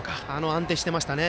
安定してましたね。